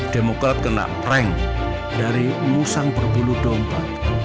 demokrat kena prank dari musang berbulu domba